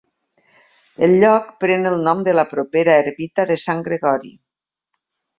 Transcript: El lloc pren el nom de la propera ermita de Sant Gregori.